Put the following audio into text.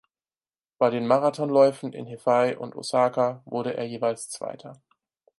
Bei den Marathonläufen in Hefei und Osaka wurde er jeweils Zweiter.